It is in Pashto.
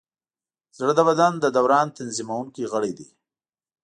زړه د بدن د دوران تنظیمونکی غړی دی.